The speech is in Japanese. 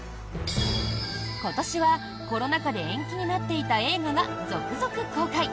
今年は、コロナ禍で延期になっていた映画が続々公開。